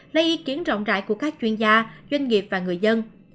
lấy ý kiến rộng rãi của các chuyên gia doanh nghiệp và người dân